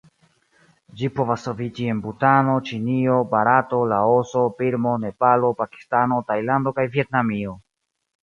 Ĝi povas troviĝi en Butano, Ĉinio, Barato, Laoso, Birmo, Nepalo, Pakistano, Tajlando kaj Vjetnamio.